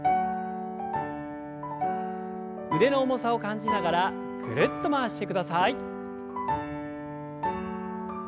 腕の重さを感じながらぐるっと回してください。